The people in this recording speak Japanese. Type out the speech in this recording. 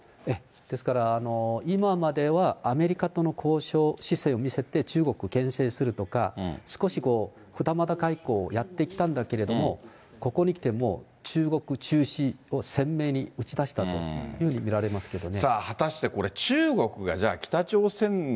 ですから、今までは、アメリカとの交渉姿勢を見せて、中国をけん制するとか、少しこう、二股外交をやってきたんだけれども、ここに来てもう、中国重視を鮮明に打ち出したというふうに見られますけどね。